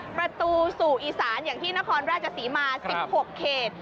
ประตูสู่อีสานอย่างที่นครราชศรีมา๑๖เขต